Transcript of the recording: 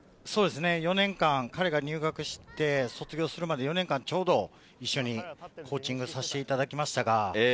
４年間、彼が入学して卒業するまで、ちょうど一緒にコーチングをさせていただきました。